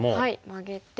マゲて。